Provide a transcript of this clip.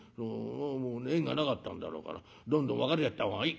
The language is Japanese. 縁がなかったんだろうからどんどん別れちゃった方がいい。